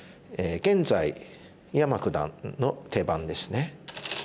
現在井山九段の手番ですね。